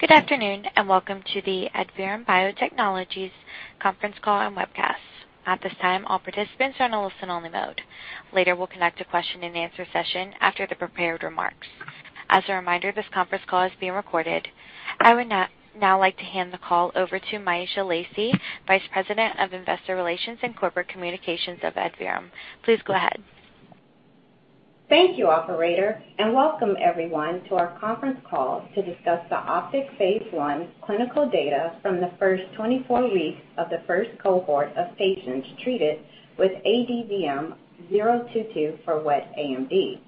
Good afternoon, welcome to the Adverum Biotechnologies conference call and webcast. At this time, all participants are in a listen-only mode. Later, we'll conduct a question and answer session after the prepared remarks. As a reminder, this conference call is being recorded. I would now like to hand the call over to Myesha Lacy, Vice President of Investor Relations and Corporate Communications of Adverum. Please go ahead. Thank you, operator, and welcome everyone to our conference call to discuss the OPTIC phase I clinical data from the first 24 weeks of the first cohort of patients treated with ADVM-022 for wet AMD.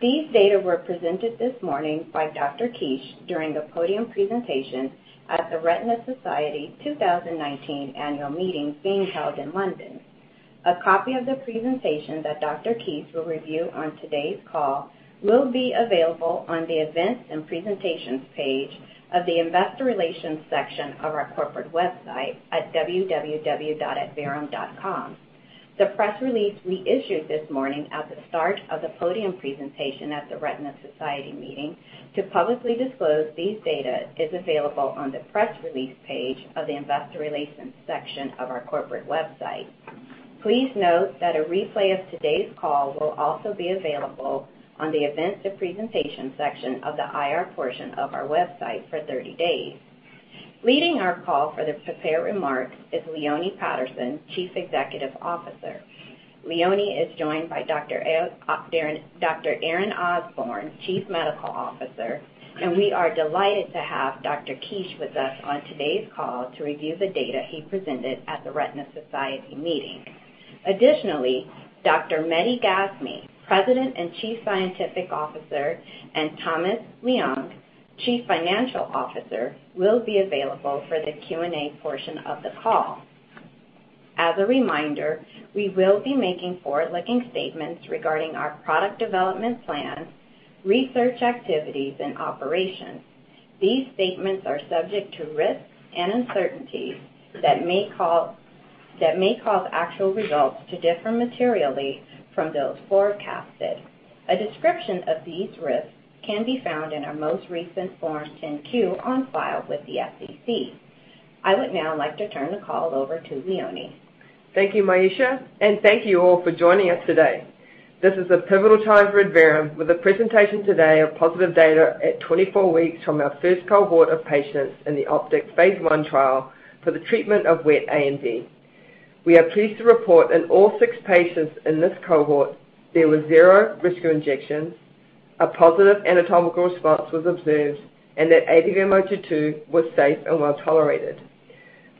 These data were presented this morning by Dr. Kiss during a podium presentation at The Retina Society 2019 annual meeting being held in London. A copy of the presentation that Dr. Kiss will review on today's call will be available on the Events and Presentations page of the investor relations section of our corporate website at www.adverum.com. The press release we issued this morning at the start of the podium presentation at The Retina Society meeting to publicly disclose these data is available on the press release page of the investor relations section of our corporate website. Please note that a replay of today's call will also be available on the Events and Presentation section of the IR portion of our website for 30 days. Leading our call for the prepared remarks is Leone Patterson, Chief Executive Officer. Leone is joined by Dr. Aaron Osborne, Chief Medical Officer, and we are delighted to have Dr. Kish with us on today's call to review the data he presented at The Retina Society meeting. Additionally, Dr. Mehdi Gasmi, President and Chief Scientific Officer, and Thomas Leung, Chief Financial Officer, will be available for the Q&A portion of the call. As a reminder, we will be making forward-looking statements regarding our product development plans, research activities, and operations. These statements are subject to risks and uncertainties that may cause actual results to differ materially from those forecasted. A description of these risks can be found in our most recent Form 10-Q on file with the SEC. I would now like to turn the call over to Leone. Thank you, Myesha, and thank you all for joining us today. This is a pivotal time for Adverum with the presentation today of positive data at 24 weeks from our first cohort of patients in the OPTIC phase I trial for the treatment of wet AMD. We are pleased to report in all six patients in this cohort, there were zero rescue injections, a positive anatomical response was observed, and that ADVM-022 was safe and well-tolerated.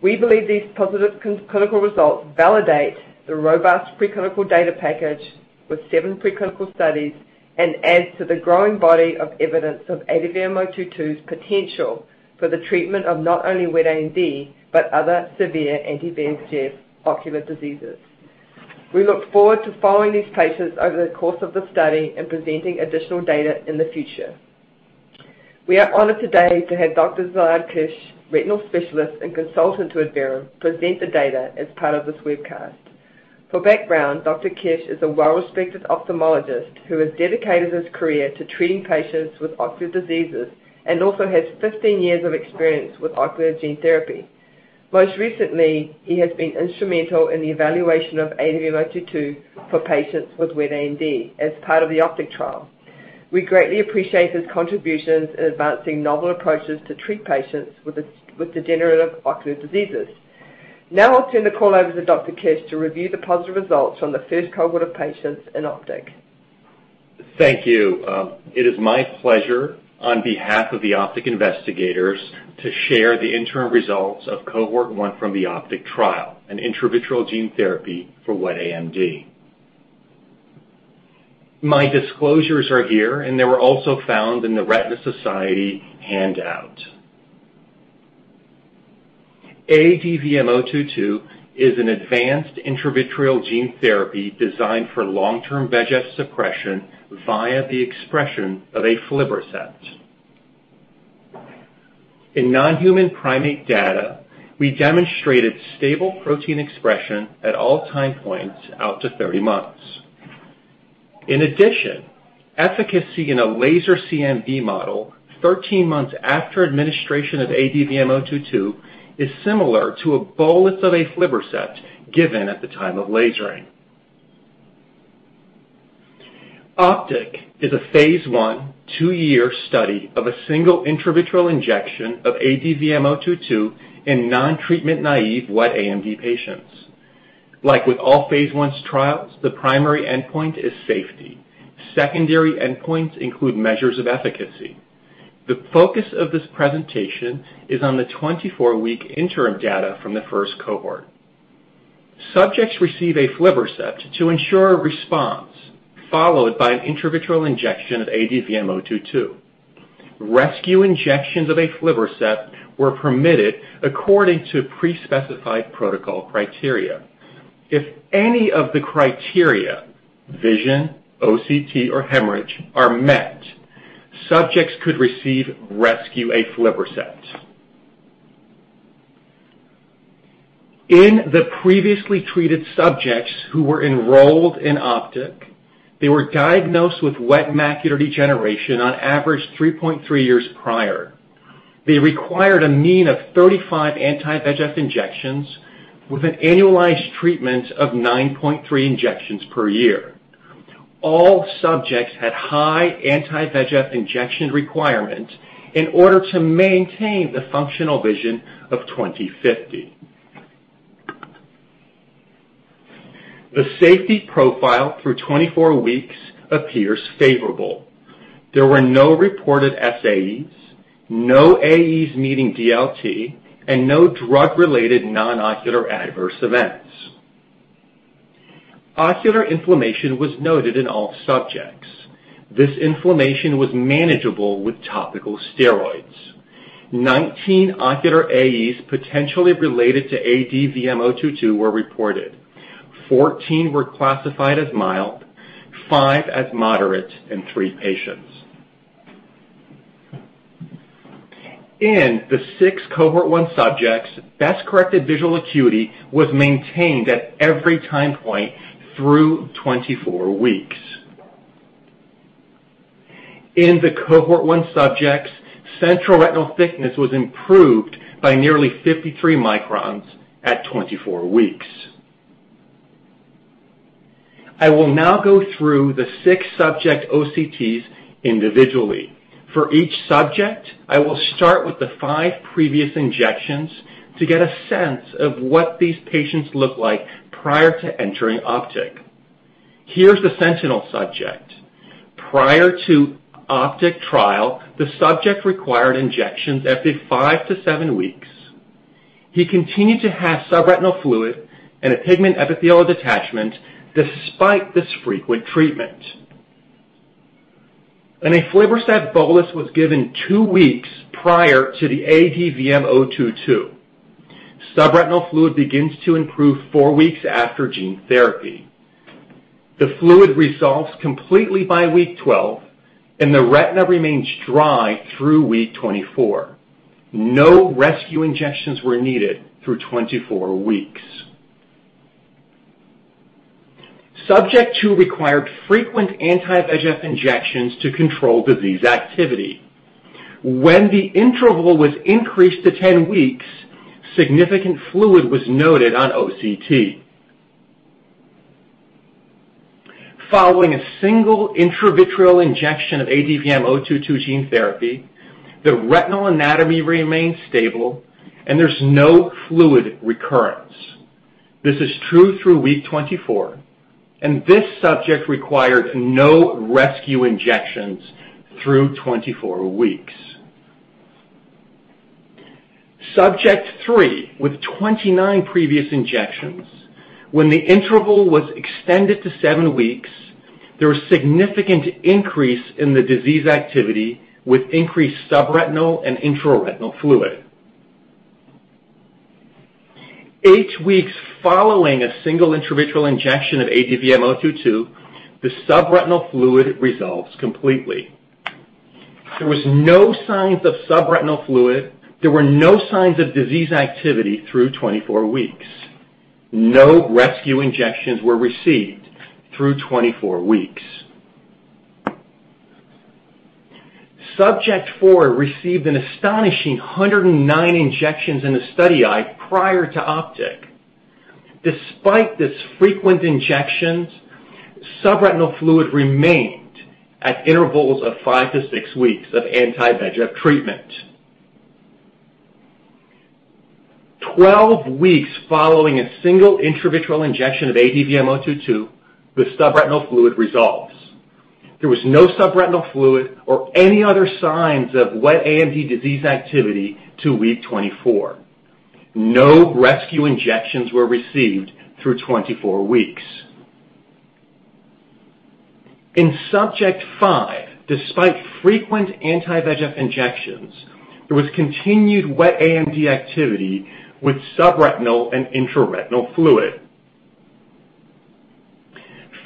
We believe these positive clinical results validate the robust preclinical data package with seven preclinical studies and adds to the growing body of evidence of ADVM-022's potential for the treatment of not only wet AMD but other severe anti-VEGF ocular diseases. We look forward to following these patients over the course of the study and presenting additional data in the future. We are honored today to have Dr. Szilárd Kiss, retinal specialist and consultant to Adverum, present the data as part of this webcast. For background, Dr. Kish is a well-respected ophthalmologist who has dedicated his career to treating patients with ocular diseases and also has 15 years of experience with ocular gene therapy. Most recently, he has been instrumental in the evaluation of ADVM-022 for patients with wet AMD as part of the OPTIC trial. We greatly appreciate his contributions in advancing novel approaches to treat patients with degenerative ocular diseases. Now I'll turn the call over to Dr. Kish to review the positive results from the first cohort of patients in OPTIC. Thank you. It is my pleasure, on behalf of the OPTIC investigators, to share the interim results of Cohort 1 from the OPTIC trial, an intravitreal gene therapy for wet AMD. My disclosures are here, and they were also found in the Retina Society handout. ADVM-022 is an advanced intravitreal gene therapy designed for long-term VEGF suppression via the expression of aflibercept. In non-human primate data, we demonstrated stable protein expression at all time points out to 30 months. In addition, efficacy in a laser CNV model 13 months after administration of ADVM-022 is similar to a bolus of aflibercept given at the time of lasering. OPTIC is a phase I, two-year study of a single intravitreal injection of ADVM-022 in non-treatment naive wet AMD patients. Like with all phase I trials, the primary endpoint is safety. Secondary endpoints include measures of efficacy. The focus of this presentation is on the 24-week interim data from the first cohort. Subjects receive aflibercept to ensure a response, followed by an intravitreal injection of ADVM-022. Rescue injections of aflibercept were permitted according to pre-specified protocol criteria. If any of the criteria, vision, OCT, or hemorrhage, are met, subjects could receive rescue aflibercept. In the previously treated subjects who were enrolled in OPTIC, they were diagnosed with wet macular degeneration on average 3.3 years prior. They required a mean of 35 anti-VEGF injections with an annualized treatment of 9.3 injections per year. All subjects had high anti-VEGF injection requirements in order to maintain the functional vision of 20/50. The safety profile through 24 weeks appears favorable. There were no reported SAEs, no AEs meeting DLT, and no drug-related non-ocular adverse events. Ocular inflammation was noted in all subjects. This inflammation was manageable with topical steroids. 19 ocular AEs potentially related to ADVM-022 were reported. 14 were classified as mild, 5 as moderate in 3 patients. In the 6 cohort 1 subjects, best-corrected visual acuity was maintained at every time point through 24 weeks. In the cohort 1 subjects, central retinal thickness was improved by nearly 53 microns at 24 weeks. I will now go through the 6 subject OCTs individually. For each subject, I will start with the 5 previous injections to get a sense of what these patients looked like prior to entering OPTIC. Here's the sentinel subject. Prior to OPTIC trial, the subject required injections every 5 to 7 weeks. He continued to have subretinal fluid and a pigment epithelial detachment despite this frequent treatment. An aflibercept bolus was given 2 weeks prior to the ADVM-022. Subretinal fluid begins to improve 4 weeks after gene therapy. The fluid resolves completely by week 12, and the retina remains dry through week 24. No rescue injections were needed through 24 weeks. Subject 2 required frequent anti-VEGF injections to control disease activity. When the interval was increased to 10 weeks, significant fluid was noted on OCT. Following a single intravitreal injection of ADVM-022 gene therapy, the retinal anatomy remains stable and there's no fluid recurrence. This is true through week 24, and this subject required no rescue injections through 24 weeks. Subject 3, with 29 previous injections, when the interval was extended to seven weeks, there was significant increase in the disease activity with increased subretinal and intraretinal fluid. Eight weeks following a single intravitreal injection of ADVM-022, the subretinal fluid resolves completely. There was no signs of subretinal fluid. There were no signs of disease activity through 24 weeks. No rescue injections were received through 24 weeks. Subject 4 received an astonishing 109 injections in the study eye prior to OPTIC. Despite these frequent injections, subretinal fluid remained at intervals of five to six weeks of anti-VEGF treatment. 12 weeks following a single intravitreal injection of ADVM-022, the subretinal fluid resolves. There was no subretinal fluid or any other signs of wet AMD disease activity to week 24. No rescue injections were received through 24 weeks. In Subject 5, despite frequent anti-VEGF injections, there was continued wet AMD activity with subretinal and intraretinal fluid.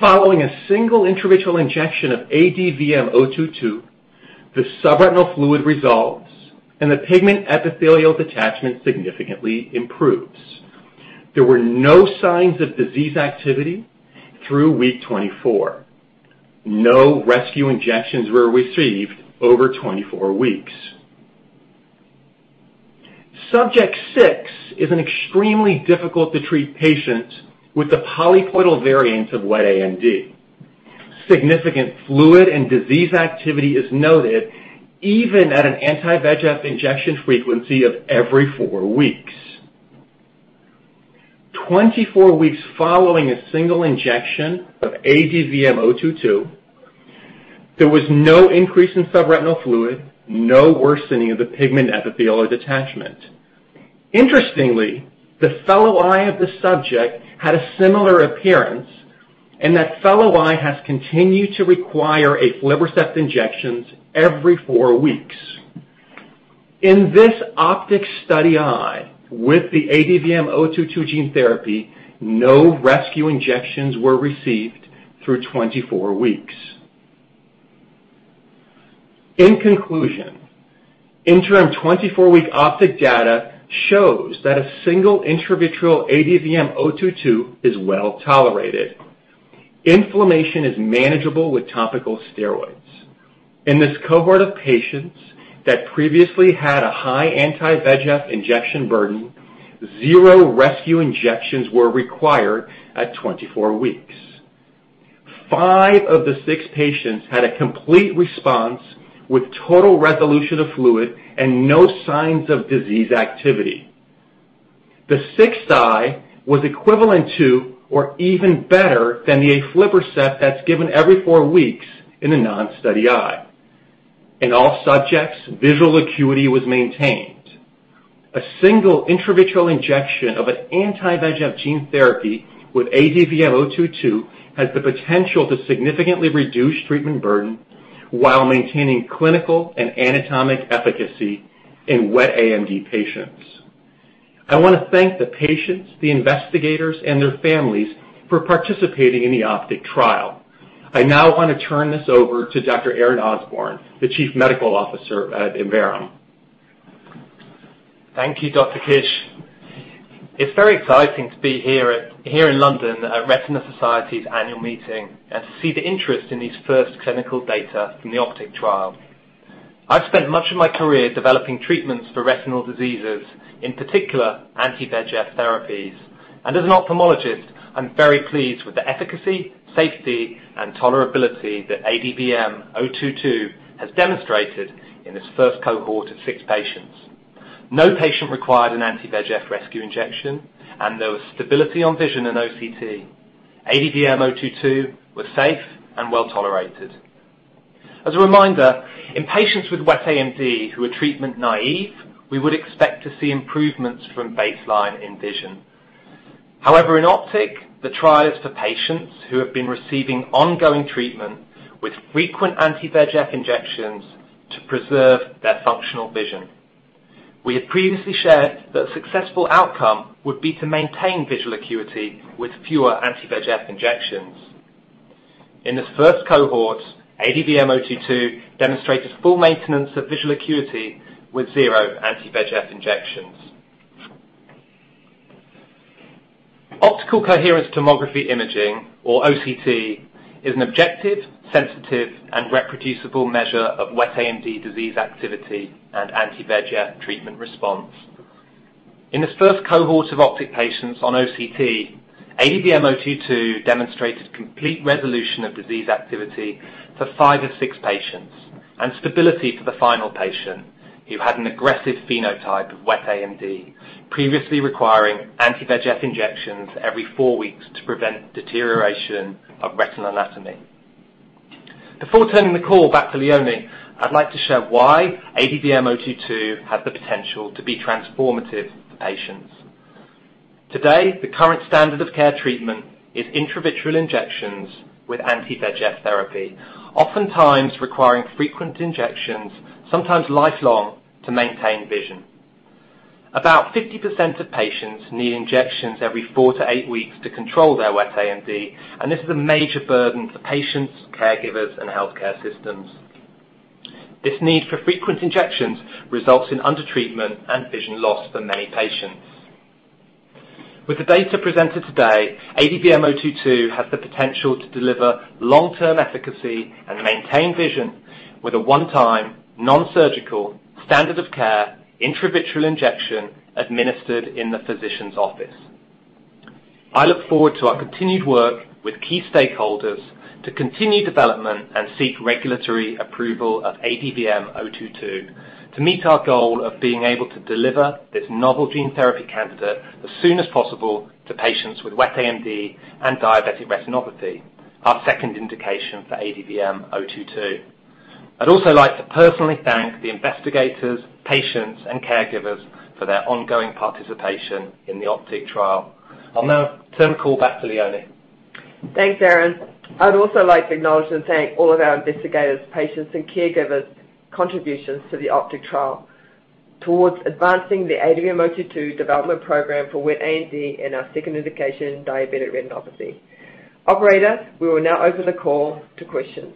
Following a single intravitreal injection of ADVM-022, the subretinal fluid resolves, and the pigment epithelial detachment significantly improves. There were no signs of disease activity through week 24. No rescue injections were received over 24 weeks. Subject 6 is an extremely difficult to treat patient with the polypoidal variant of wet AMD. Significant fluid and disease activity is noted even at an anti-VEGF injection frequency of every four weeks. 24 weeks following a single injection of ADVM-022, there was no increase in subretinal fluid, no worsening of the pigment epithelial detachment. Interestingly, the fellow eye of the subject had a similar appearance, and that fellow eye has continued to require aflibercept injections every four weeks. In this OPTIC study eye, with the ADVM-022 gene therapy, no rescue injections were received through 24 weeks. In conclusion, interim 24-week OPTIC data shows that a single intravitreal ADVM-022 is well-tolerated. Inflammation is manageable with topical steroids. In this cohort of patients that previously had a high anti-VEGF injection burden, zero rescue injections were required at 24 weeks. Five of the six patients had a complete response with total resolution of fluid and no signs of disease activity. The sixth eye was equivalent to or even better than the aflibercept that's given every four weeks in a non-study eye. In all subjects, visual acuity was maintained. A single intravitreal injection of an anti-VEGF gene therapy with ADVM-022 has the potential to significantly reduce treatment burden while maintaining clinical and anatomic efficacy in wet AMD patients. I want to thank the patients, the investigators, and their families for participating in the OPTIC trial. I now want to turn this over to Dr. Aaron Osborne, the Chief Medical Officer at Adverum. Thank you, Dr. Kish. It's very exciting to be here in London at Retina Society's annual meeting and to see the interest in these first clinical data from the OPTIC trial. I've spent much of my career developing treatments for retinal diseases, in particular anti-VEGF therapies. As an ophthalmologist, I'm very pleased with the efficacy, safety, and tolerability that ADVM-022 has demonstrated in its first cohort of six patients. No patient required an anti-VEGF rescue injection, and there was stability on vision in OCT. ADVM-022 was safe and well-tolerated. As a reminder, in patients with wet AMD who are treatment naive, we would expect to see improvements from baseline in vision. However, in OPTIC, the trial is for patients who have been receiving ongoing treatment with frequent anti-VEGF injections to preserve their functional vision. We had previously shared that a successful outcome would be to maintain visual acuity with fewer anti-VEGF injections. In this first cohort, ADVM-022 demonstrated full maintenance of visual acuity with zero anti-VEGF injections. Optical coherence tomography imaging, or OCT, is an objective, sensitive, and reproducible measure of wet AMD disease activity and anti-VEGF treatment response. In this first cohort of OPTIC patients on OCT, ADVM-022 demonstrated complete resolution of disease activity for five of six patients and stability for the final patient, who had an aggressive phenotype of wet AMD, previously requiring anti-VEGF injections every four weeks to prevent deterioration of retinal anatomy. Before turning the call back to Leonie, I'd like to share why ADVM-022 has the potential to be transformative to patients. Today, the current standard of care treatment is intravitreal injections with anti-VEGF therapy, oftentimes requiring frequent injections, sometimes lifelong, to maintain vision. About 50% of patients need injections every 4-8 weeks to control their wet AMD, and this is a major burden for patients, caregivers, and healthcare systems. This need for frequent injections results in undertreatment and vision loss for many patients. With the data presented today, ADVM-022 has the potential to deliver long-term efficacy and maintain vision with a one-time, non-surgical, standard of care, intravitreal injection administered in the physician's office. I look forward to our continued work with key stakeholders to continue development and seek regulatory approval of ADVM-022 to meet our goal of being able to deliver this novel gene therapy candidate as soon as possible to patients with wet AMD and diabetic retinopathy, our second indication for ADVM-022. I'd also like to personally thank the investigators, patients, and caregivers for their ongoing participation in the OPTIC trial. I'll now turn the call back to Leonie. Thanks, Aaron. I would also like to acknowledge and thank all of our investigators, patients, and caregivers' contributions to the OPTIC trial towards advancing the ADVM-022 development program for wet AMD and our second indication, diabetic retinopathy. Operator, we will now open the call to questions.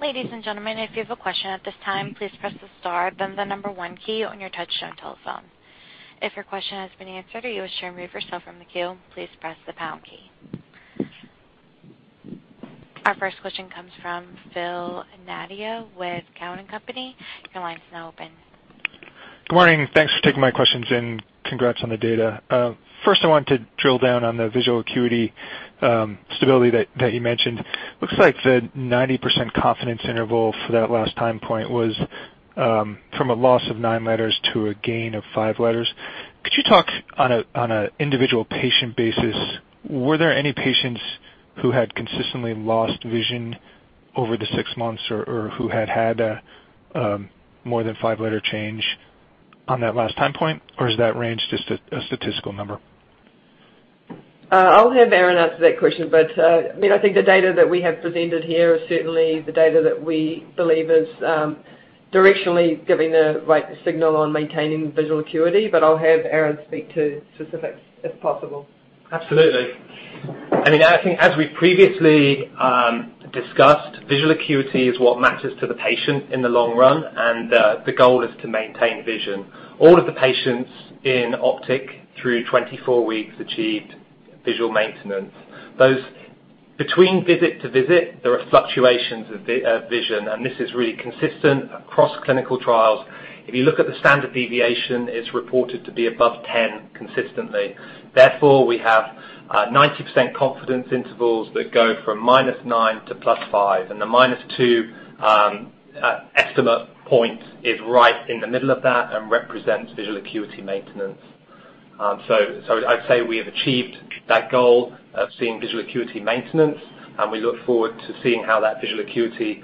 Ladies and gentlemen, if you have a question at this time, please press the star then the number one key on your touchtone telephone. If your question has been answered or you wish to remove yourself from the queue, please press the pound key. Our first question comes from Phil Nadeau with TD Cowen. Your line is now open. Good morning. Thanks for taking my questions, and congrats on the data. First, I wanted to drill down on the visual acuity stability that you mentioned. Looks like the 90% confidence interval for that last time point was from a loss of nine letters to a gain of five letters. Could you talk on an individual patient basis? Were there any patients who had consistently lost vision over the six months or who had had a more than five-letter change on that last time point? Or is that range just a statistical number? I'll have Aaron answer that question. I think the data that we have presented here is certainly the data that we believe is directionally giving the right signal on maintaining visual acuity. I'll have Aaron speak to specifics if possible. Absolutely. I think as we previously discussed, visual acuity is what matters to the patient in the long run, and the goal is to maintain vision. All of the patients in OPTIC through 24 weeks achieved visual maintenance. Between visit to visit, there are fluctuations of vision, and this is really consistent across clinical trials. If you look at the standard deviation, it's reported to be above 10 consistently. Therefore, we have 90% confidence intervals that go from -9 to +5. The -2 estimate point is right in the middle of that and represents visual acuity maintenance. I'd say we have achieved that goal of seeing visual acuity maintenance, and we look forward to seeing how that visual acuity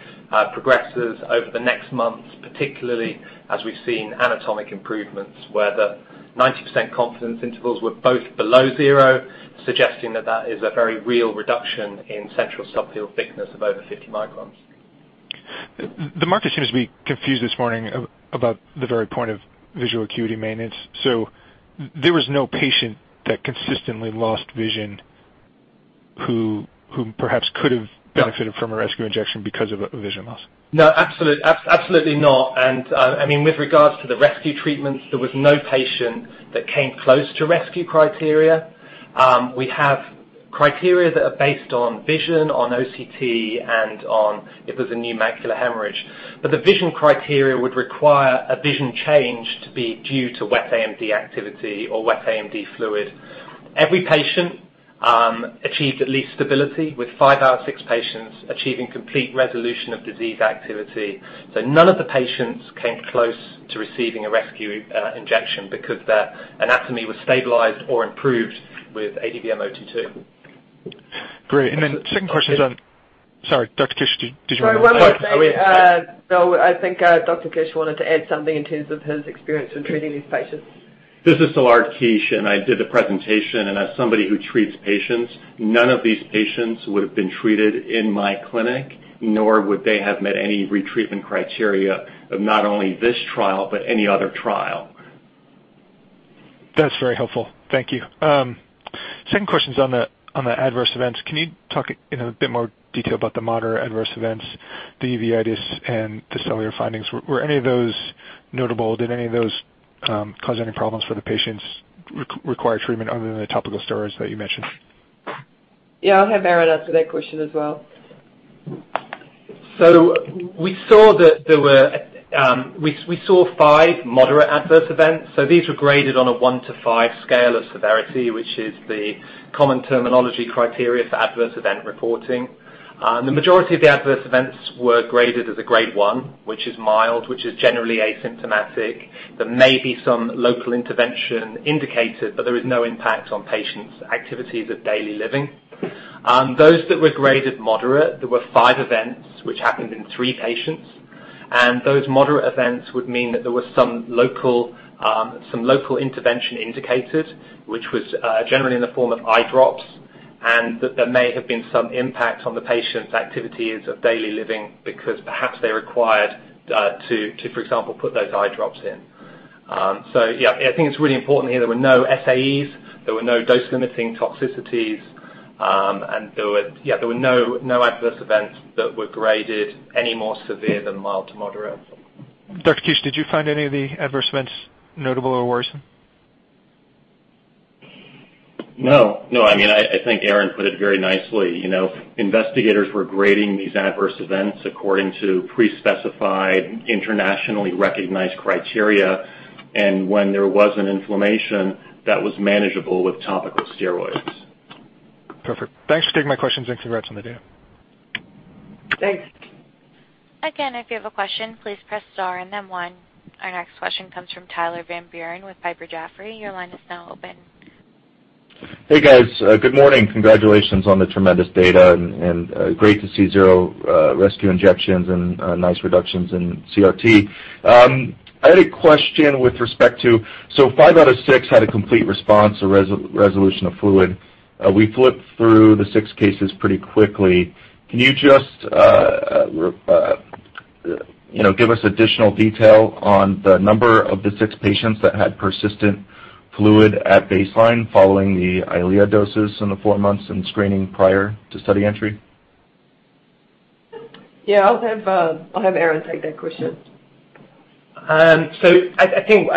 progresses over the next months, particularly as we've seen anatomic improvements where the 90% confidence intervals were both below zero, suggesting that that is a very real reduction in central subfield thickness of over 50 microns. The market seems to be confused this morning about the very point of visual acuity maintenance. There was no patient that consistently lost vision who perhaps could have benefited from a rescue injection because of vision loss. No, absolutely not. With regards to the rescue treatments, there was no patient that came close to rescue criteria. We have criteria that are based on vision, on OCT, and on if there's a new macular hemorrhage. But the vision criteria would require a vision change to be due to wet AMD activity or wet AMD fluid. Every patient achieved at least stability, with five out of six patients achieving complete resolution of disease activity. None of the patients came close to receiving a rescue injection because their anatomy was stabilized or improved with ADVM-022. Great. Second question. Sorry, Dr. Kiss, did you want to? Sorry, one more thing. No, I think Dr. Kiss wanted to add something in terms of his experience in treating these patients. This is Szilárd Kiss, I did the presentation, and as somebody who treats patients, none of these patients would have been treated in my clinic, nor would they have met any retreatment criteria of not only this trial, but any other trial. That's very helpful. Thank you. Second question is on the Adverse Events. Can you talk in a bit more detail about the moderate Adverse Events, the uveitis, and the cellular findings? Were any of those notable? Did any of those cause any problems for the patients require treatment other than the topical steroids that you mentioned? Yeah, I'll have Aaron answer that question as well. We saw five moderate adverse events. These were graded on a 1 to 5 scale of severity, which is the common terminology criteria for adverse event reporting. The majority of the adverse events were graded as a grade 1, which is mild, which is generally asymptomatic. There may be some local intervention indicated, but there is no impact on patients' activities of daily living. Those that were graded moderate, there were five events which happened in three patients, and those moderate events would mean that there was some local intervention indicated, which was generally in the form of eye drops, and that there may have been some impact on the patient's activities of daily living because perhaps they required to, for example, put those eye drops in. Yeah, I think it's really important here, there were no SAEs, there were no dose-limiting toxicities, and there were no adverse events that were graded any more severe than mild to moderate. Dr. Khanani, did you find any of the adverse events notable or worrisome? No. I think Aaron put it very nicely. Investigators were grading these adverse events according to pre-specified, internationally recognized criteria, and when there was an inflammation, that was manageable with topical steroids. Perfect. Thanks for taking my questions, and congrats on the data. Thanks. Again, if you have a question, please press star and then one. Our next question comes from Tyler Van Buren with Piper Sandler. Your line is now open. Hey, guys. Good morning. Congratulations on the tremendous data and great to see zero rescue injections and nice reductions in CRT. I had a question with respect to, five out of six had a complete response or resolution of fluid. We flipped through the six cases pretty quickly. Can you just give us additional detail on the number of the six patients that had persistent fluid at baseline following the Eylea doses in the four months and screening prior to study entry? Yeah, I'll have Aaron take that question. I think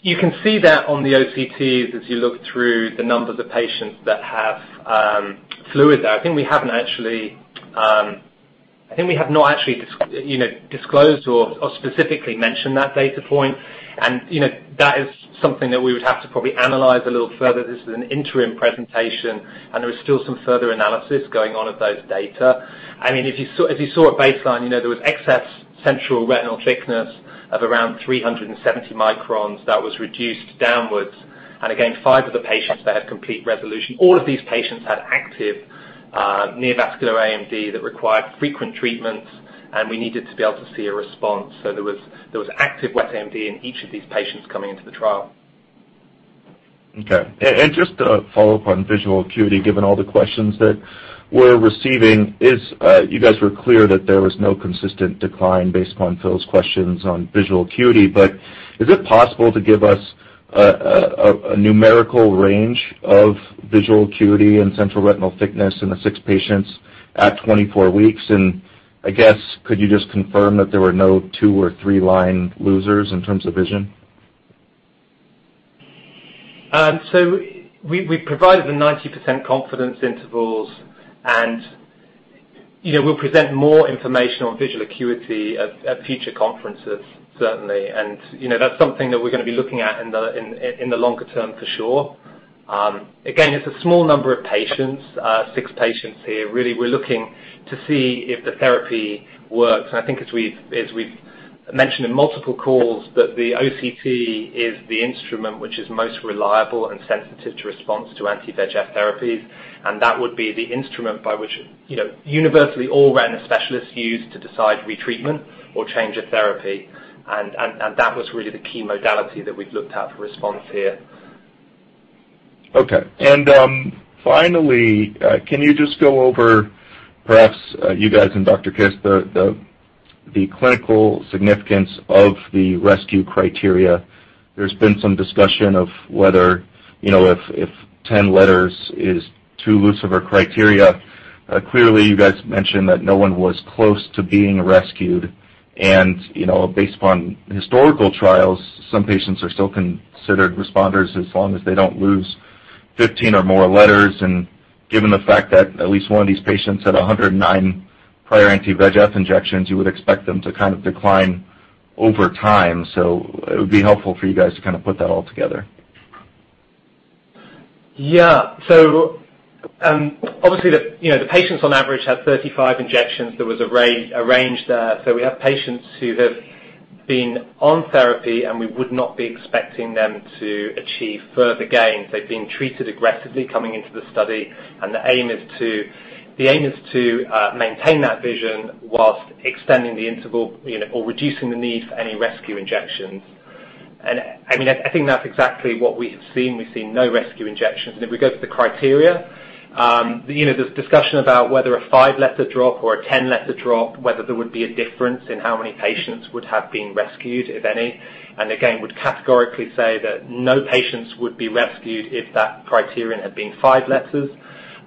you can see that on the OCTs as you look through the numbers of patients that have fluid there. I think we have not actually disclosed or specifically mentioned that data point. That is something that we would have to probably analyze a little further. This is an interim presentation, and there is still some further analysis going on of those data. If you saw at baseline, there was excess central retinal thickness of around 370 microns that was reduced downwards. Again, five of the patients that had complete resolution, all of these patients had active neovascular AMD that required frequent treatments, and we needed to be able to see a response. There was active wet AMD in each of these patients coming into the trial. Okay. Just to follow up on visual acuity, given all the questions that we're receiving is, you guys were clear that there was no consistent decline based upon Phil's questions on visual acuity. Is it possible to give us a numerical range of visual acuity and central retinal thickness in the six patients at 24 weeks? I guess, could you just confirm that there were no two or three line losers in terms of vision? We provided the 90% confidence intervals, and we'll present more information on visual acuity at future conferences, certainly. That's something that we're going to be looking at in the longer term for sure. We're looking to see if the therapy works. I think as we've mentioned in multiple calls, that the OCT is the instrument which is most reliable and sensitive to response to anti-VEGF therapies. That would be the instrument by which universally all retina specialists use to decide retreatment or change of therapy. That was really the key modality that we've looked at for response here. Okay. Finally, can you just go over, perhaps you guys and Dr. Kish, the clinical significance of the rescue criteria? There's been some discussion of whether if 10 letters is too loose of a criteria. Clearly, you guys mentioned that no one was close to being rescued and based upon historical trials, some patients are still considered responders as long as they don't lose 15 or more letters. Given the fact that at least one of these patients had 109 prior anti-VEGF injections, you would expect them to decline over time. It would be helpful for you guys to put that all together. Obviously, the patients on average had 35 injections. There was a range there. We have patients who have been on therapy, and we would not be expecting them to achieve further gains. They've been treated aggressively coming into the study. The aim is to maintain that vision whilst extending the interval or reducing the need for any rescue injections. I think that's exactly what we have seen. We've seen no rescue injections. If we go to the criteria, there's discussion about whether a five-letter drop or a 10-letter drop, whether there would be a difference in how many patients would have been rescued, if any. Again, would categorically say that no patients would be rescued if that criterion had been five letters,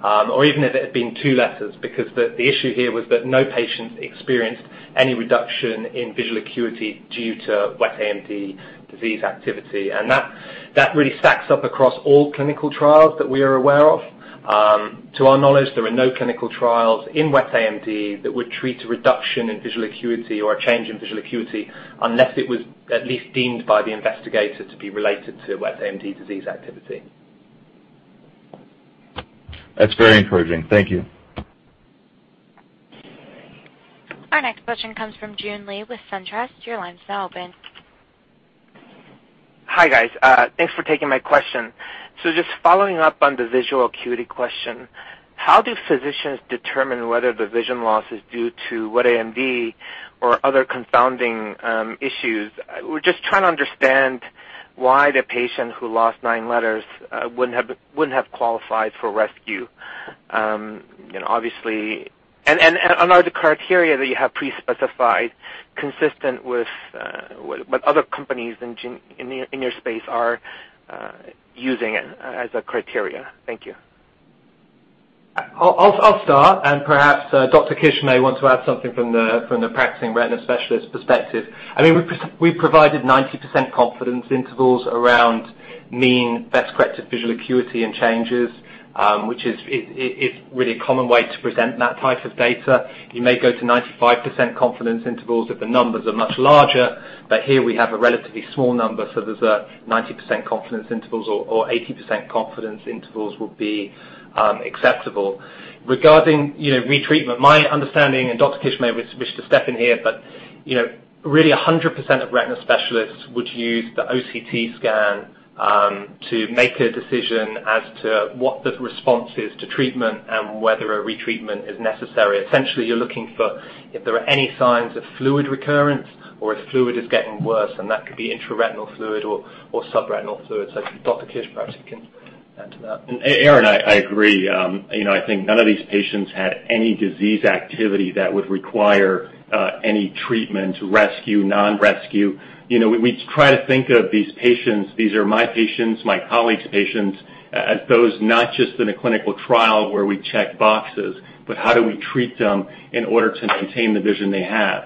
or even if it had been two letters. The issue here was that no patients experienced any reduction in visual acuity due to wet AMD disease activity. That really stacks up across all clinical trials that we are aware of. To our knowledge, there are no clinical trials in wet AMD that would treat a reduction in visual acuity or a change in visual acuity unless it was at least deemed by the investigator to be related to wet AMD disease activity. That's very encouraging. Thank you. Our next question comes from June Lee with SunTrust. Your line's now open. Hi, guys. Thanks for taking my question. Just following up on the visual acuity question, how do physicians determine whether the vision loss is due to wet AMD or other confounding issues? We're just trying to understand why the patient who lost nine letters wouldn't have qualified for rescue. Are the criteria that you have pre-specified consistent with what other companies in your space are using as a criteria? Thank you. I'll start, and perhaps Dr. Kish may want to add something from the practicing retina specialist perspective. We provided 90% confidence intervals around mean best-corrected visual acuity and changes, which is really a common way to present that type of data. You may go to 95% confidence intervals if the numbers are much larger, but here we have a relatively small number, so there's a 90% confidence intervals or 80% confidence intervals would be acceptable. Regarding retreatment, my understanding, and Dr. Kish may wish to step in here, but really 100% of retina specialists would use the OCT scan to make a decision as to what the response is to treatment and whether a retreatment is necessary. Essentially, you're looking for if there are any signs of fluid recurrence or if fluid is getting worse, and that could be intraretinal fluid or subretinal fluid. Dr. Kish perhaps you can add to that. Aaron, I agree. I think none of these patients had any disease activity that would require any treatment, rescue, non-rescue. We try to think of these patients, these are my patients, my colleagues' patients, as those not just in a clinical trial where we check boxes, but how do we treat them in order to maintain the vision they have.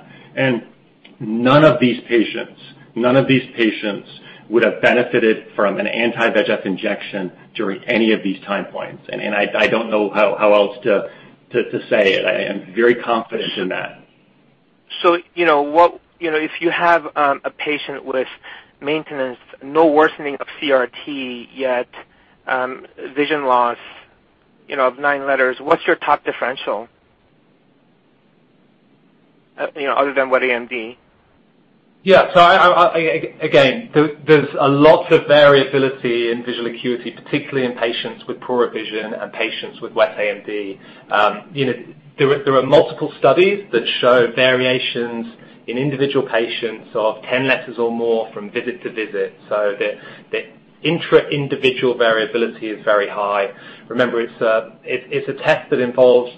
None of these patients would have benefited from an anti-VEGF injection during any of these time points. I don't know how else to say it. I am very confident in that. If you have a patient with maintenance, no worsening of CRT yet vision loss of nine letters, what's your top differential, other than wet AMD? Again, there's a lot of variability in visual acuity, particularly in patients with poorer vision and patients with wet AMD. There are multiple studies that show variations in individual patients of 10 letters or more from visit to visit. The intra-individual variability is very high. Remember, it's a test that involves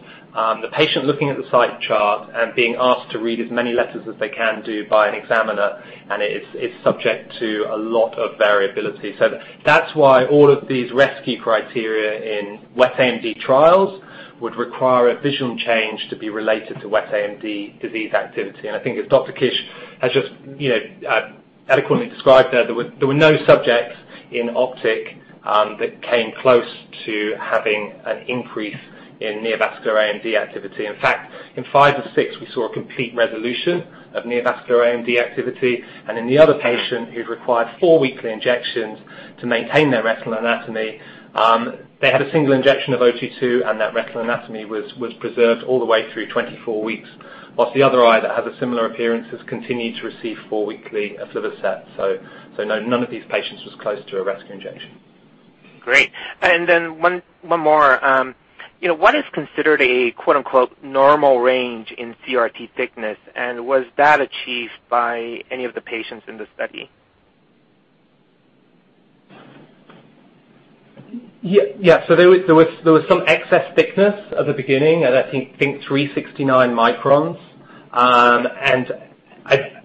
the patient looking at the sight chart and being asked to read as many letters as they can do by an examiner, and it's subject to a lot of variability. That's why all of these rescue criteria in wet AMD trials would require a vision change to be related to wet AMD disease activity. I think as Dr. Kish has just eloquently described there were no subjects in OPTIC that came close to having an increase in neovascular AMD activity. In fact, in five of six, we saw a complete resolution of neovascular AMD activity, and in the other patient who required four weekly injections to maintain their retinal anatomy, they had a single injection of ADVM-022, and that retinal anatomy was preserved all the way through 24 weeks. Whilst the other eye that has a similar appearance has continued to receive four weekly of Lucentis. None of these patients was close to a rescue injection. Great. Then one more. What is considered a quote unquote "normal range in CRT thickness," and was that achieved by any of the patients in the study? Yeah. There was some excess thickness at the beginning, I think 369 microns.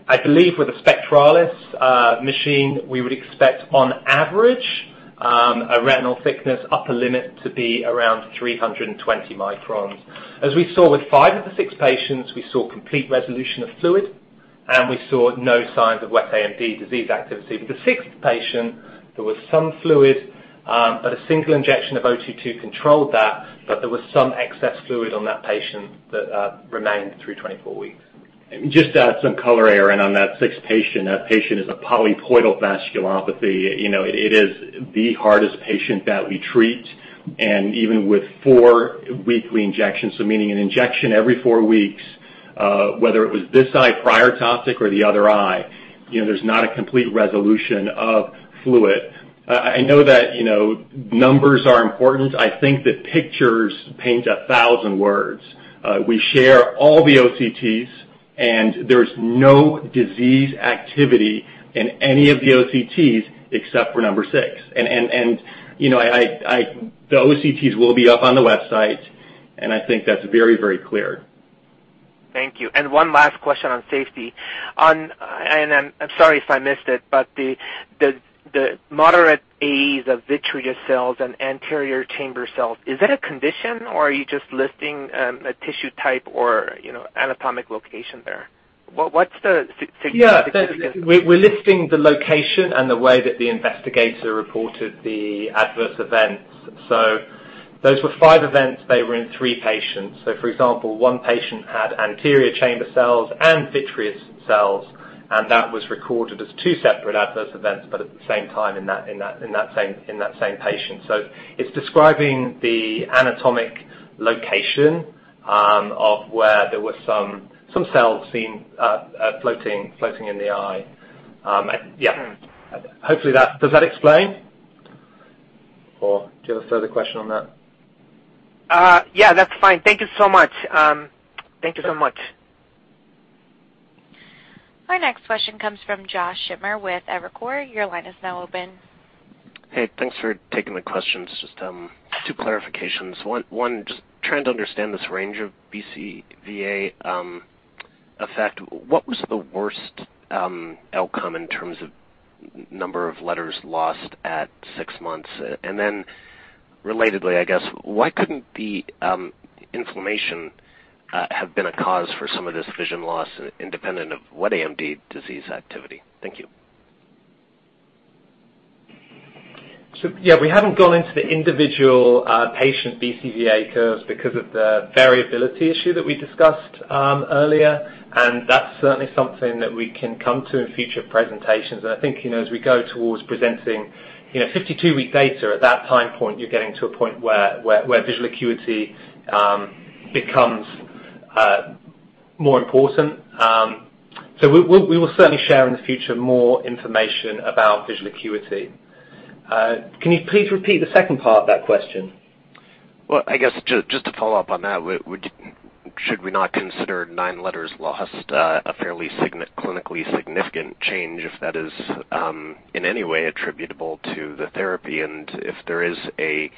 I believe with a SPECTRALIS machine, we would expect, on average, a retinal thickness upper limit to be around 320 microns. As we saw with five of the six patients, we saw complete resolution of fluid, and we saw no signs of wet AMD disease activity. With the sixth patient, there was some fluid, but a single injection of ADVM-022 controlled that, but there was some excess fluid on that patient that remained through 24 weeks. Just to add some color, Aaron, on that sixth patient. That patient is a polypoidal vasculopathy. It is the hardest patient that we treat, and even with four weekly injections, so meaning an injection every four weeks, whether it was this eye, prior OPTIC or the other eye, there's not a complete resolution of fluid. I know that numbers are important. I think that pictures paint a 1,000 words. We share all the OCTs, and there's no disease activity in any of the OCTs except for number six. The OCTs will be up on the website, and I think that's very clear. Thank you. One last question on safety. I'm sorry if I missed it, the moderate AEs of vitreous cells and anterior chamber cells, is that a condition or are you just listing a tissue type or anatomic location there? What's the significance? Yeah. We're listing the location and the way that the investigator reported the Adverse Events. Those were five events. They were in three patients. For example, one patient had anterior chamber cells and vitreous cells, and that was recorded as two separate Adverse Events, but at the same time in that same patient. It's describing the anatomic location of where there were some cells seen floating in the eye. Yeah. Does that explain or do you have a further question on that? Yeah, that's fine. Thank you so much. Our next question comes from Josh Schimmer with Evercore. Your line is now open. Hey, thanks for taking the questions. Just two clarifications. One, just trying to understand this range of BCVA effect. What was the worst outcome in terms of number of letters lost at six months? Relatedly, I guess, why couldn't the inflammation have been a cause for some of this vision loss, independent of wet AMD disease activity? Thank you. Yeah, we haven't gone into the individual patient BCVA curves because of the variability issue that we discussed earlier. That's certainly something that we can come to in future presentations. I think as we go towards presenting 52-week data, at that time point you're getting to a point where visual acuity becomes more important. We will certainly share in the future more information about visual acuity. Can you please repeat the second part of that question? Well, I guess just to follow up on that, should we not consider nine letters lost a fairly clinically significant change if that is in any way attributable to the therapy? If there is a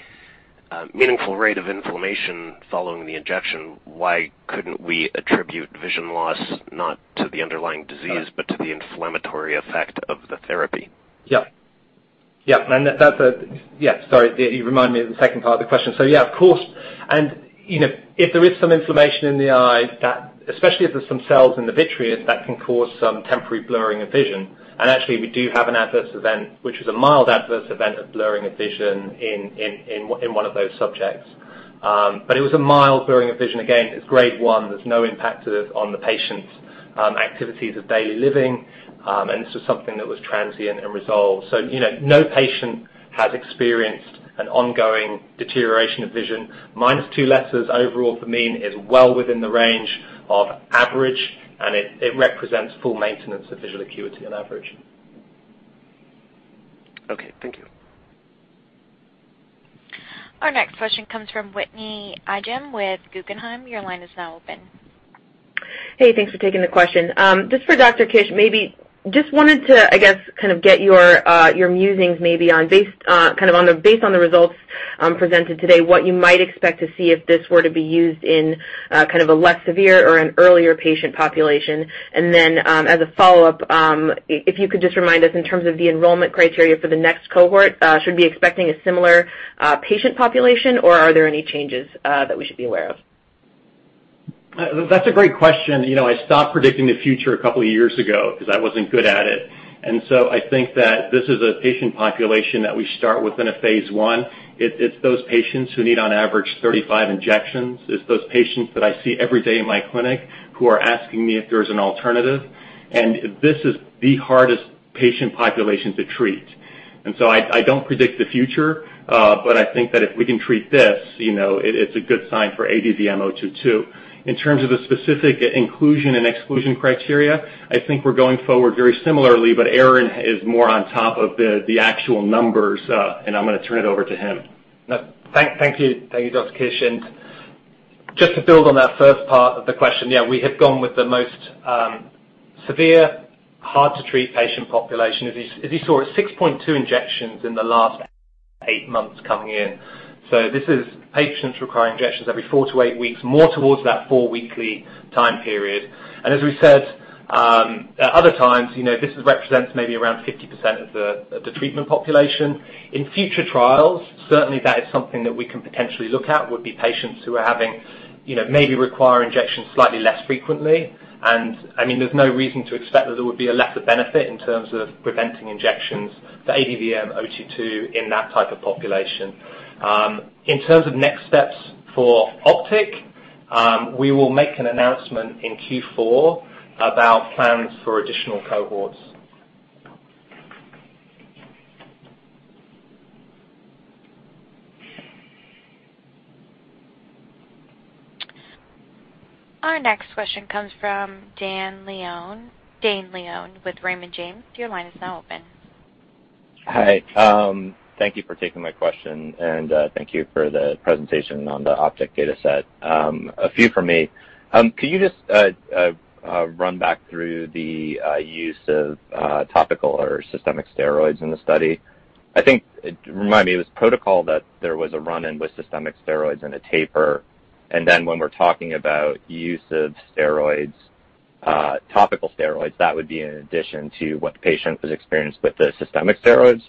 meaningful rate of inflammation following the injection, why couldn't we attribute vision loss not to the underlying disease but to the inflammatory effect of the therapy? Yeah. Sorry, you remind me of the second part of the question. Yeah, of course, and if there is some inflammation in the eye, especially if there's some cells in the vitreous, that can cause some temporary blurring of vision. Actually we do have an adverse event, which is a mild adverse event of blurring of vision in one of those subjects. It was a mild blurring of vision. Again, it's grade 1. There's no impact on the patient's activities of daily living, and this was something that was transient and resolved. No patient has experienced an ongoing deterioration of vision. Minus two letters overall for mean is well within the range of average, and it represents full maintenance of visual acuity on average. Okay. Thank you. Our next question comes from Whitney Ijem with Guggenheim. Your line is now open. Hey, thanks for taking the question. Just for Dr. Kish, maybe just wanted to, I guess, get your musings maybe based on the results presented today, what you might expect to see if this were to be used in a less severe or an earlier patient population. As a follow-up, if you could just remind us in terms of the enrollment criteria for the next cohort, should we be expecting a similar patient population, or are there any changes that we should be aware of? That's a great question. I stopped predicting the future a couple of years ago because I wasn't good at it. I think that this is a patient population that we start within a phase I. It's those patients who need, on average, 35 injections. It's those patients that I see every day in my clinic who are asking me if there's an alternative. This is the hardest patient population to treat. I don't predict the future, but I think that if we can treat this, it's a good sign for ADVM-022. In terms of the specific inclusion and exclusion criteria, I think we're going forward very similarly, but Aaron is more on top of the actual numbers, and I'm going to turn it over to him. Thank you, Dr. Kish. Just to build on that first part of the question, yeah, we have gone with the most severe, hard-to-treat patient population. As you saw, 6.2 injections in the last eight months coming in. This is patients requiring injections every four to eight weeks, more towards that four weekly time period. As we said at other times, this represents maybe around 50% of the treatment population. In future trials, certainly that is something that we can potentially look at, would be patients who are having, maybe require injections slightly less frequently. There's no reason to expect that there would be a lesser benefit in terms of preventing injections for ADVM-022 in that type of population. In terms of next steps for OPTIC, we will make an announcement in Q4 about plans for additional cohorts. Our next question comes from Dane Leone with Raymond James. Your line is now open. Hi. Thank you for taking my question, and thank you for the presentation on the OPTIC data set. A few from me. Could you just run back through the use of topical or systemic steroids in the study? I think, remind me, it was protocol that there was a run-in with systemic steroids and a taper, and then when we're talking about use of steroids, topical steroids, that would be in addition to what the patient has experienced with the systemic steroids?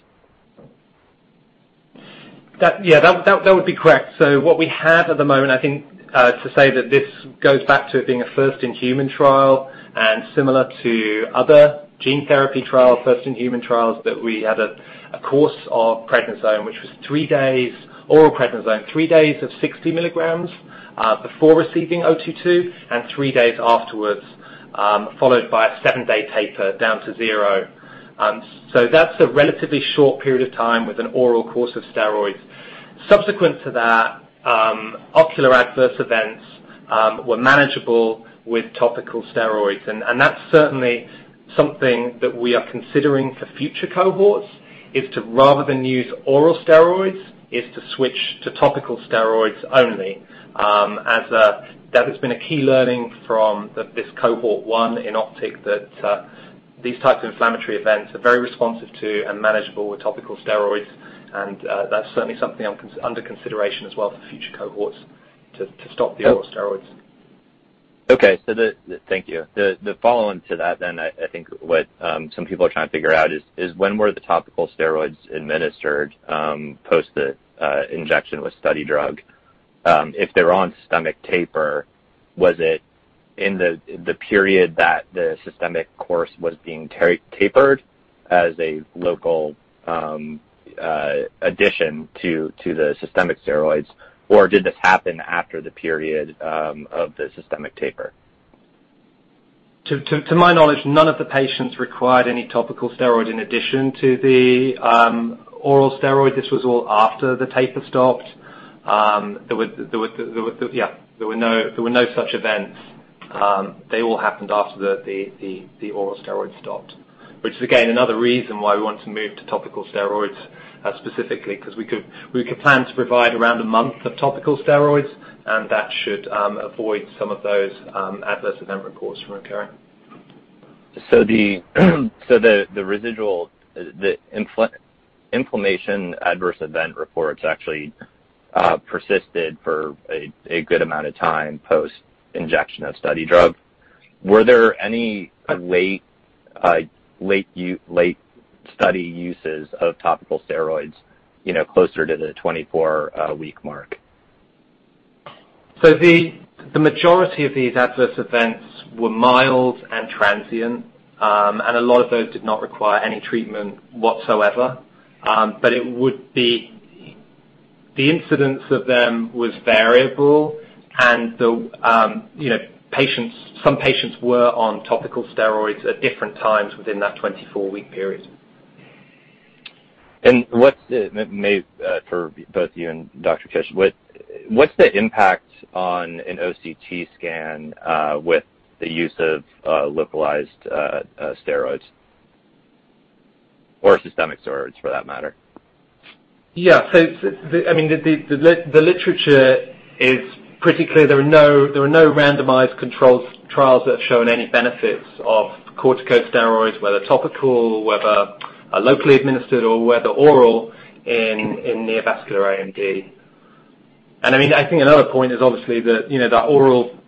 Yeah, that would be correct. What we have at the moment, I think to say that this goes back to it being a first-in-human trial and similar to other gene therapy trials, first-in-human trials, that we had a course of prednisone, which was three days, oral prednisone, three days of 60 milligrams before receiving ADVM-022 and three days afterwards, followed by a seven-day taper down to zero. Subsequent to that, ocular adverse events were manageable with topical steroids, and that's certainly something that we are considering for future cohorts, is to rather than use oral steroids, is to switch to topical steroids only. That has been a key learning from this cohort 1 in OPTIC that these types of inflammatory events are very responsive to and manageable with topical steroids. That's certainly something under consideration as well for future cohorts to stop the oral steroids. Okay. Thank you. The follow on to that, I think what some people are trying to figure out is when were the topical steroids administered post the injection with study drug? If they're on systemic taper, was it in the period that the systemic course was being tapered as a local addition to the systemic steroids, or did this happen after the period of the systemic taper? To my knowledge, none of the patients required any topical steroid in addition to the oral steroid. This was all after the taper stopped. There were no such events. They all happened after the oral steroids stopped, which is again, another reason why we want to move to topical steroids specifically because we could plan to provide around a month of topical steroids, and that should avoid some of those adverse event reports from occurring. The residual inflammation adverse event reports actually persisted for a good amount of time post injection of study drug. Were there any late study uses of topical steroids closer to the 24-week mark? The majority of these adverse events were mild and transient. A lot of those did not require any treatment whatsoever. The incidence of them was variable and some patients were on topical steroids at different times within that 24-week period. For both you and Dr. Kish, what's the impact on an OCT scan with the use of localized steroids or systemic steroids for that matter? The literature is pretty clear. There are no randomized controlled trials that have shown any benefits of corticosteroids, whether topical, whether locally administered or whether oral in neovascular AMD. I think another point is obviously the oral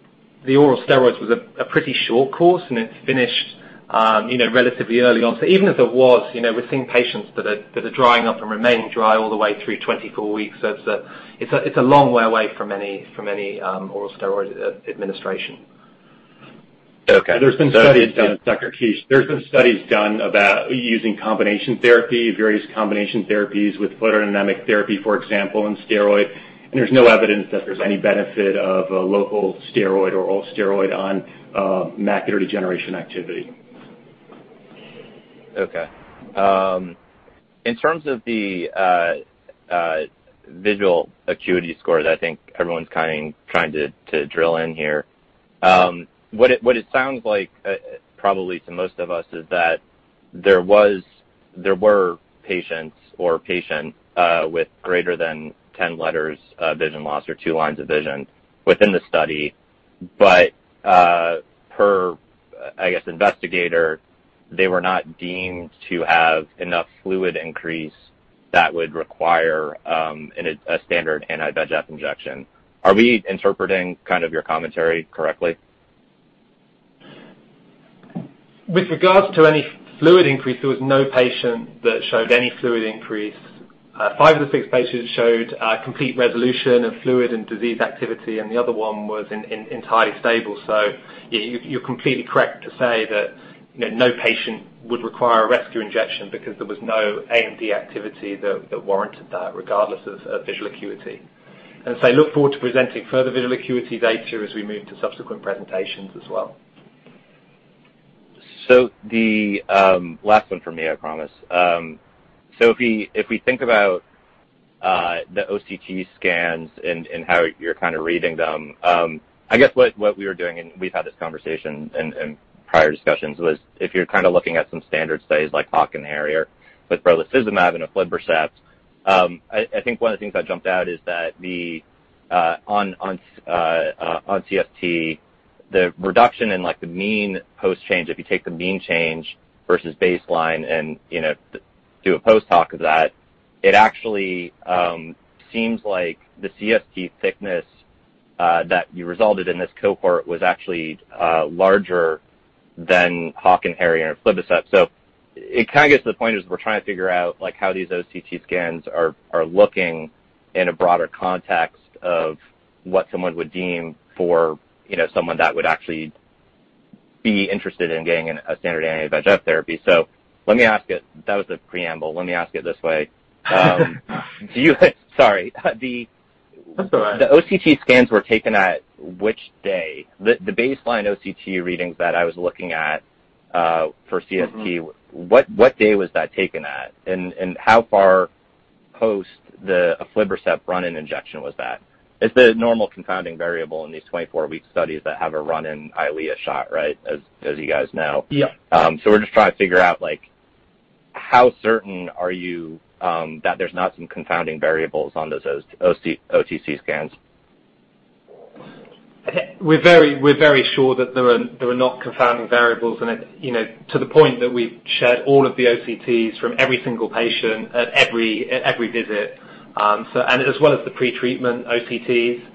steroids was a pretty short course, and it's finished relatively early on. Even if there was, we're seeing patients that are drying up and remaining dry all the way through 24 weeks. It's a long way away from any oral steroid administration. Okay. There's been studies done, Dr. Khanani. There's been studies done about using combination therapy, various combination therapies with photodynamic therapy, for example, and steroid. There's no evidence that there's any benefit of a local steroid or oral steroid on macular degeneration activity. Okay. In terms of the visual acuity scores, I think everyone's trying to drill in here. What it sounds like, probably to most of us, is that there were patients or a patient with greater than 10 letters of vision loss or two lines of vision within the study. Per, I guess, investigator, they were not deemed to have enough fluid increase that would require a standard anti-VEGF injection. Are we interpreting your commentary correctly? With regards to any fluid increase, there was no patient that showed any fluid increase. Five of the six patients showed a complete resolution of fluid and disease activity, and the other one was entirely stable. You're completely correct to say that no patient would require a rescue injection because there was no AMD activity that warranted that, regardless of visual acuity. I look forward to presenting further visual acuity data as we move to subsequent presentations as well. The last one for me, I promise. If we think about the OCT scans and how you're reading them, I guess what we were doing, and we've had this conversation in prior discussions, was if you're looking at some standard studies like HAWK and HARRIER with brolucizumab and aflibercept, I think one of the things that jumped out is that on CST, the reduction in the mean post-change, if you take the mean change versus baseline and do a post-hoc of that, it actually seems like the CST thickness that you resulted in this cohort was actually larger than HAWK and HARRIER and aflibercept. It gets to the point is we're trying to figure out how these OCT scans are looking in a broader context of what someone would deem for someone that would actually be interested in getting a standard anti-VEGF therapy. Let me ask it. That was a preamble. Let me ask it this way. Sorry. That's all right. The OCT scans were taken at which day? The baseline OCT readings that I was looking at for CST. what day was that taken at? How far post the aflibercept run-in injection was that? It's the normal confounding variable in these 24-week studies that have a run-in Eylea shot, as you guys know. Yeah. We're just trying to figure out how certain are you that there's not some confounding variables on those OCT scans? We're very sure that there were not confounding variables in it, to the point that we've shared all of the OCTs from every single patient at every visit. As well as the pre-treatment OCTs.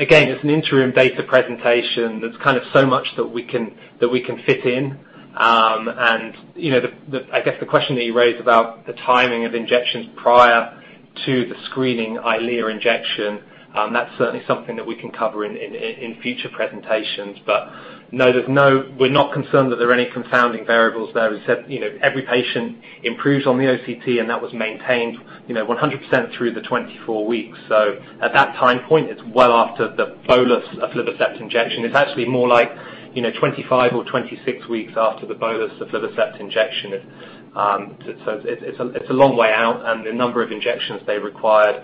Again, it's an interim data presentation. There's so much that we can fit in. I guess the question that you raised about the timing of injections prior to the screening Eylea injection, that's certainly something that we can cover in future presentations. No, we're not concerned that there are any confounding variables there. As I said, every patient improves on the OCT, and that was maintained 100% through the 24 weeks. At that time point, it's well after the bolus aflibercept injection. It's actually more like 25 or 26 weeks after the bolus aflibercept injection. It's a long way out, and the number of injections they required,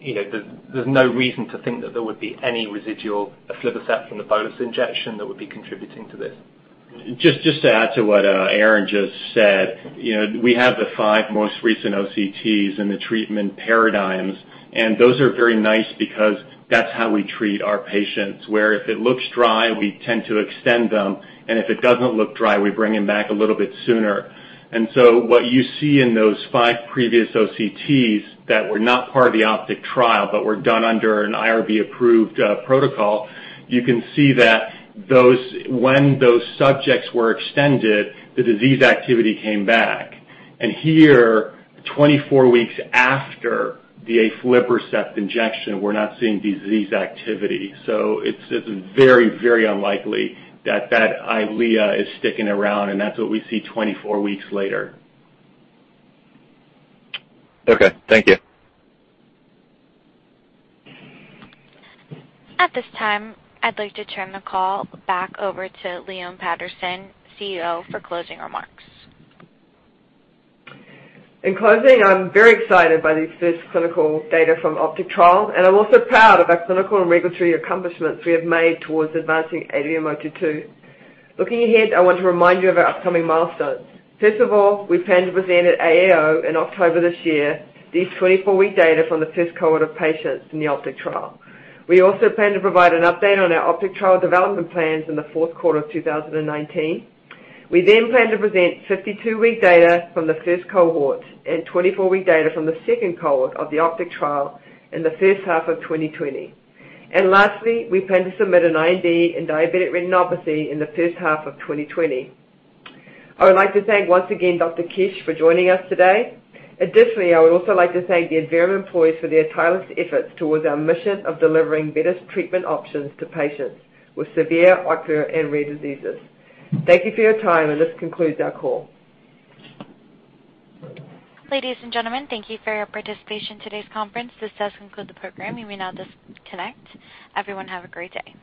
there's no reason to think that there would be any residual aflibercept from the bolus injection that would be contributing to this. Just to add to what Aaron just said, we have the five most recent OCTs in the treatment paradigms. Those are very nice because that's how we treat our patients. Where if it looks dry, we tend to extend them, and if it doesn't look dry, we bring them back a little bit sooner. What you see in those five previous OCTs that were not part of the OPTIC trial but were done under an IRB-approved protocol, you can see that when those subjects were extended, the disease activity came back. Here, 24 weeks after the aflibercept injection, we're not seeing disease activity. It's very unlikely that that Eylea is sticking around, and that's what we see 24 weeks later. Okay. Thank you. At this time, I'd like to turn the call back over to Leone Patterson, CEO, for closing remarks. In closing, I'm very excited by these first clinical data from OPTIC trial, and I'm also proud of our clinical and regulatory accomplishments we have made towards advancing ADVM-022. Looking ahead, I want to remind you of our upcoming milestones. First of all, we plan to present at AAO in October this year these 24-week data from the first cohort of patients in the OPTIC trial. We also plan to provide an update on our OPTIC trial development plans in the fourth quarter of 2019. We plan to present 52-week data from the first cohort and 24-week data from the second cohort of the OPTIC trial in the first half of 2020. Lastly, we plan to submit an IND in diabetic retinopathy in the first half of 2020. I would like to thank once again Dr. Kish for joining us today. Additionally, I would also like to thank the Adverum employees for their tireless efforts towards our mission of delivering better treatment options to patients with severe ocular and rare diseases. Thank you for your time, and this concludes our call. Ladies and gentlemen, thank you for your participation in today's conference. This does conclude the program. You may now disconnect. Everyone, have a great day.